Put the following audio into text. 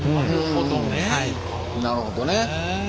なるほどねへえ。